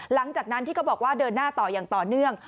หลังจากนั้นที่เขาบอกว่าเดินหน้าต่ออย่างต่อเนื่อง